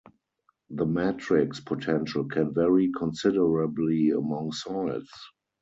The matrix potential can vary considerably among soils.